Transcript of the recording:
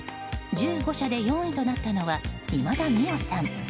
１５社で４位となったのは今田美桜さん。